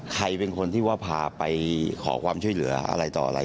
ใครประโยชน์ที่พาไปขอความช่วยเหลืออะไรต่ออะไร